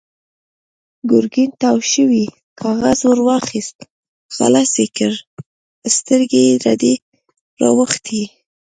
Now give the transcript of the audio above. ګرګين تاو شوی کاغذ ور واخيست، خلاص يې کړ، سترګې يې رډې راوختې.